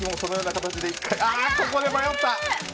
ここで迷った。